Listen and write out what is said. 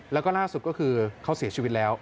แล้วก็ล่าสุดก็คือเขาเสียชีวิตแล้ว